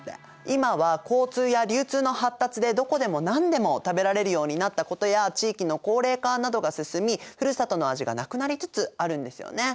今は交通や流通の発達でどこでも何でも食べられるようになったことや地域の高齢化などが進みふるさとの味がなくなりつつあるんですよね。